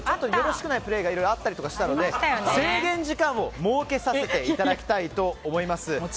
よろしくないプレーがいろいろあったりしたので制限時間を設けさせていただきたいと思います。